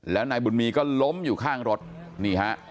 แล้วนายบุญมีก็ล้มอยู่ข้างรถนี่ฮะ